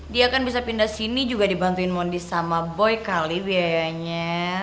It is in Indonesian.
dia kan bisa pindah sini juga dibantuin mondi sama boy kali biayanya